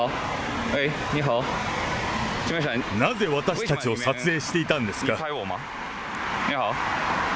なぜ私たちを撮影していたんですか。